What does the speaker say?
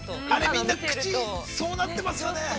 ◆そうなってますよね。